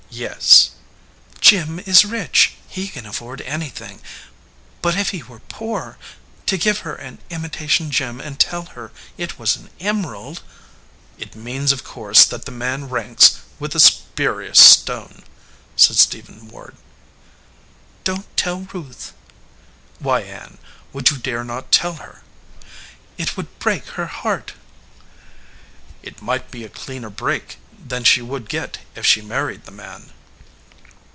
Yes." "Jim is rich. He can afford anything. But if he were poor to give her an imitation gem and tell her it was an emerald " 266 RING WITH THE GREEN STONE "It means, of course, that the man ranks with the spurious stone," said Stephen Ward. "Don t tell Ruth." "Why, Ann, would you dare not tell her?" "It would break her heart." "It might be a cleaner break than she would get if she married the man."